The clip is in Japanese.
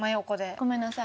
ごめんなさい。